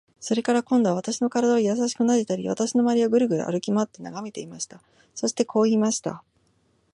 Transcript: それから、今度は私の身体をやさしくなでたり、私のまわりをぐるぐる歩きまわって眺めていました。そしてこう言いました。